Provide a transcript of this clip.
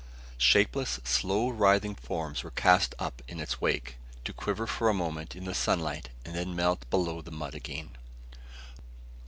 Shapeless, slow writhing forms were cast up in its wake, to quiver for a moment in the sunlight and then melt below the mud again.